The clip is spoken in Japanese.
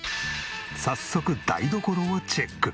早速台所をチェック。